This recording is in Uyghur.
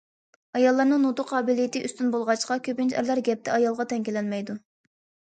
ئاياللارنىڭ نۇتۇق قابىلىيىتى ئۈستۈن بولغاچقا، كۆپىنچە ئەرلەر گەپتە ئايالغا تەڭ كېلەلمەيدۇ.